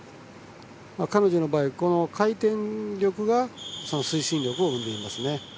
彼女の場合、回転力が推進力を生んでいますね。